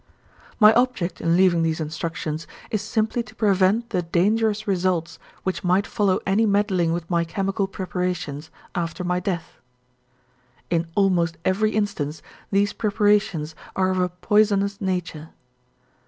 "'My object in leaving these instructions is simply to prevent the dangerous results which might follow any meddling with my chemical preparations, after my death. "'In almost every instance, these preparations are of a poisonous nature.